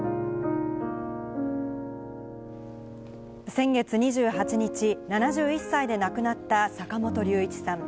先月２８日、７１歳で亡くなった坂本龍一さん。